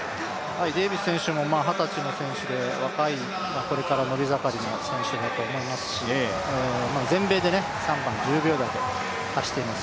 二十歳の選手で若い、これから伸び盛りの選手だと思いますし全米で３番、１０秒台で走ってます。